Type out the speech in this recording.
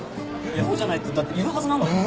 いやそうじゃないとだっているはずなのよ。